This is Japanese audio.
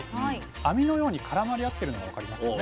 網のように絡まり合ってるのが分かりますよね。